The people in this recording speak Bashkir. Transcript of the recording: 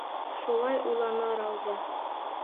Шулай уйланы Рауза.